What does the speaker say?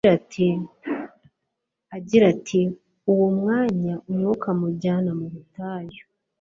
agira ati : Uwo mwanya Umwuka amujyana mu butayu.